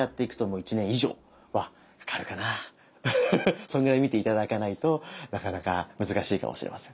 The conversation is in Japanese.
それぐらい見て頂かないとなかなか難しいかもしれません。